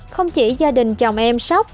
không chỉ gia đình chồng em sốc